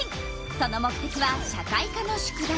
その目てきは社会科の宿題。